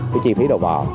cái chi phí đầu bò